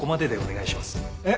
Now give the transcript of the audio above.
えっ。